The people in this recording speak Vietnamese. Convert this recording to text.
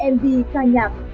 mv ca nhạc